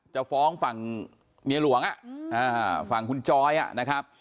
จะฟ้องฝั่งเมียหลวงฝั่งคุณจอยนะครับ